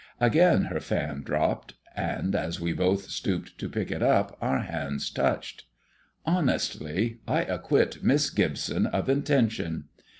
Again her fan dropped, and as we both stooped to pick it up our hands touched. Honestly, I acquit Miss Gibson of intention.